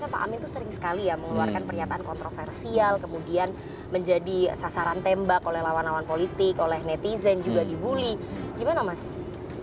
pak amin itu sering sekali ya mengeluarkan pernyataan kontroversial kemudian menjadi sasaran tembak oleh lawan lawan politik oleh netizen juga dibully gimana mas